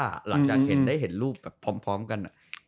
หลังจากเห็นได้เห็นรูปแบบพร้อมกัน